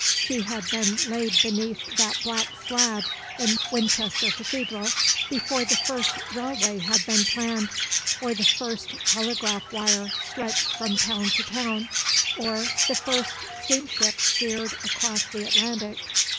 She had been laid beneath that black slab in Winchester Cathedral before the first railway had been planned, or the first telegraph wire stretched from town to town, or the first steamship steered across the Atlantic.